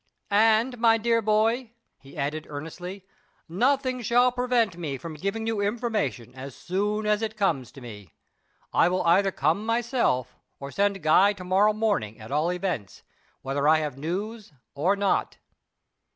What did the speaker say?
"And, my dear boy," he added, earnestly, "nothing shall prevent me from giving you information as soon as it comes to me. I will either come myself or send Guy to morrow morning at all events, whether I have news or not."